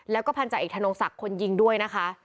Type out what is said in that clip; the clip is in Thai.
แล้วก็พันธาเอกธนงศักดิ์คนยิงด้วยนะคะ